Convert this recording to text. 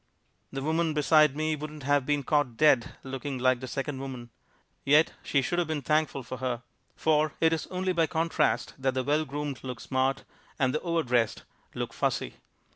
The woman beside me wouldn't have been caught dead looking like the second woman. Yet she should have been thankful for her. For it is only by contrast that the well groomed look smart, and the overdressed look fussy.